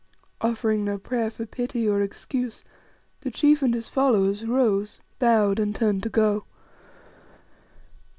Offering no prayer for pity or excuse, the chief and his followers rose, bowed, and turned to go.